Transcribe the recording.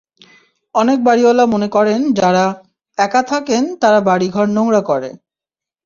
অনেক বাড়িওয়ালা মনে করেন যারা, একা থাকেন তারা বাড়িঘর নোংরা করে।